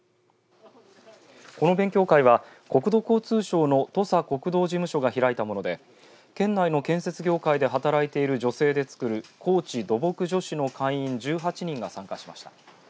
この勉強会は、国土交通省の土佐国道事務所が開いたもので県内の建設業界で働いている女性で作る高知土木女子の会員１８人が参加しました。